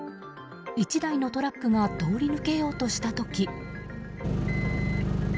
１台のトラックが通り抜けようとした時。